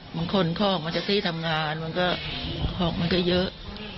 มันคนคอกมาจากที่ทำงานมันก็คอกมาก็เยอะ